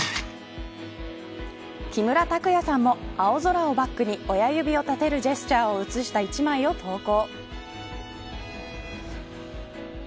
木村拓哉さんも青空をバックに親指を立てるジェスチャーを写した一枚を投稿。